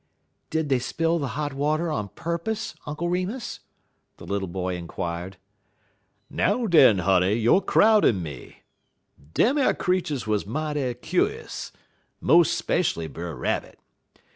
"Did they spill the hot water on purpose, Uncle Remus?" the little boy inquired. "Now, den, honey, youer crowdin' me. Dem ar creeturs wuz mighty kuse mo' speshually Brer Rabbit.